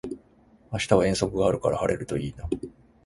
明日は遠足があるから晴れるといいな